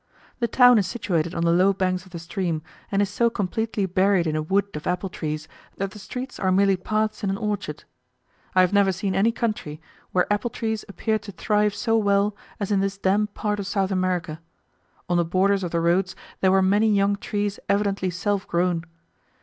The town is situated on the low banks of the stream, and is so completely buried in a wood of apple trees that the streets are merely paths in an orchard. I have never seen any country, where apple trees appeared to thrive so well as in this damp part of South America: on the borders of the roads there were many young trees evidently self grown.